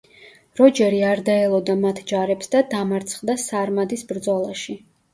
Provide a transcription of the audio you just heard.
როჯერი არ დაელოდა მათ ჯარებს და დამარცხდა სარმადის ბრძოლაში.